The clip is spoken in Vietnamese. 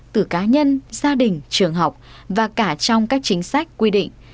từ cá nhân gia đình trường học và cả trong các chính sách quy định